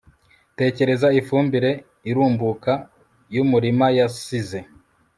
Tekereza ifumbire irumbuka yumurima yasize